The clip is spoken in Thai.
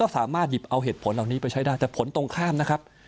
เอาเหตุผลเหล่านี้ไปใช้ได้แต่ผลตรงข้ามนะครับ